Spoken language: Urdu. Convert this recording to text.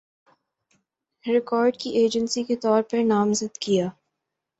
ریکارڈ کی ایجنسی کے طور پر نامزد کِیا